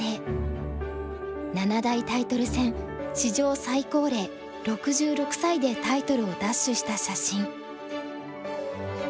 七大タイトル戦史上最高齢６６歳でタイトルを奪取した写真。